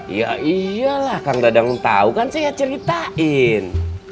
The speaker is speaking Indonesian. iya iyalah kang dadang tau kan saya ceritain